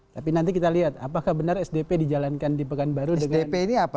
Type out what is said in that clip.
tapi nanti kita lihat apakah benar sdp dijalankan di pekanbaru dengan sistem database pemasarakatan